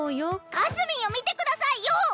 かすみんを見て下さいよ！